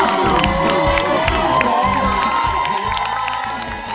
นรกนรงนรก